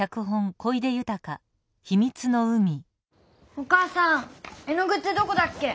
・お母さん絵のぐってどこだっけ？